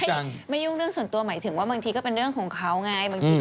ไม่ยุ่งเรื่องส่วนตัวหมายถึงว่าบางทีก็เป็นเรื่องของเขาไงบางที